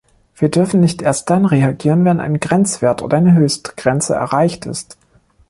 Wir dürfen nicht erst dann reagieren, wenn ein Grenzwert oder eine Höchstgrenze erreicht ist.